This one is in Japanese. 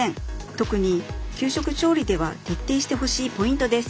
特に給食調理では徹底してほしいポイントです！